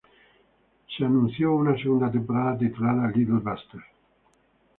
Se anunció una segunda temporada titulada "Little Busters!